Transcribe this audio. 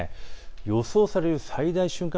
予想される最大瞬間